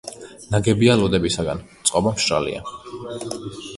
ნაგებია ლოდებისაგან, წყობა მშრალია.